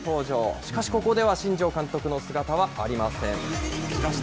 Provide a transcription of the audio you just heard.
しかしここでは新庄監督の姿はありません。